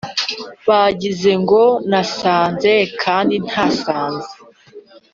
Bagize ngo nasaze kandi ntasaze